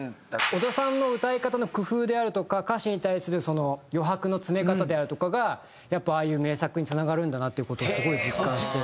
小田さんの歌い方の工夫であるとか歌詞に対するその余白の詰め方であるとかがやっぱああいう名作につながるんだなっていう事をすごい実感して。